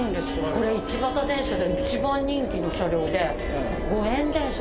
これ一畑電車で一番人気の車両でご縁電車